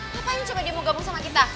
ngapain coba dia mau gabung sama kita